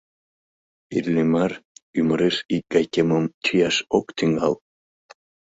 Иллимар ӱмыреш икгай кемым чияш ок тӱҥал!